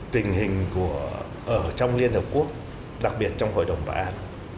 tình hình ở trong liên hợp quốc đặc biệt trong hội đồng bảo an